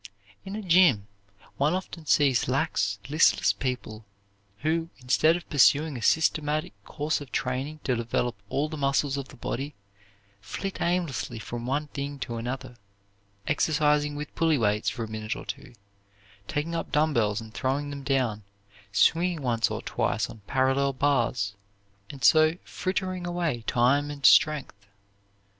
In a gymnasium, one often sees lax, listless people, who, instead of pursuing a systematic course of training to develop all the muscles of the body, flit aimlessly from one thing to another, exercising with pulley weights for a minute or two, taking up dumb bells and throwing them down, swinging once or twice on parallel bars, and so frittering away time and strength.